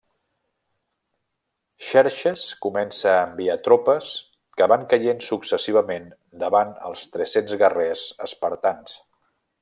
Xerxes comença a enviar tropes que van caient successivament davant els tres-cents guerrers espartans.